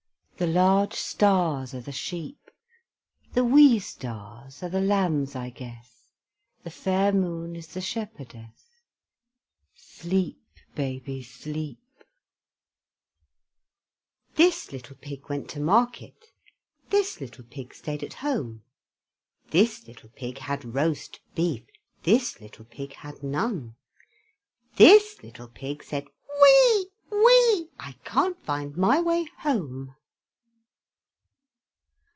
The large stars are the sheep, The wee stars are the lambs, I guess, The fair moon is the shepherdess: Sleep, baby, sleep! This little pig went to market; This little pig stayed at home; This little pig had roast beef; This little pig had none; This little pig said, "Wee, wee! I can't find my way home."